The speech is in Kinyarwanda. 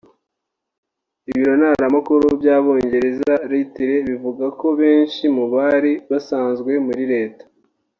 Ibiro ntaramakuru by’Abongereza Reuters bivuga ko benshi mu bari basanzwe muri Leta